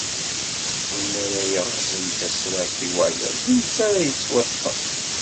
Winn ara yeɣzen tasraft i wayeḍ, d netta ara yettwaṭṭfen.